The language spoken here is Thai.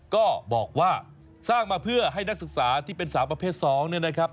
ก็บอกว่าสร้างมาเพื่อให้นักศึกษาที่เป็นสาวประเภท๒เนี่ยนะครับ